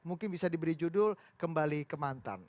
mungkin bisa diberi judul kembali ke mantan